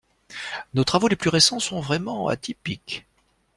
nos travaux les plus récents sont vraiment atypiques.